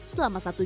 selama satu hari